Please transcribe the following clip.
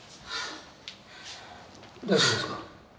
大丈夫ですか？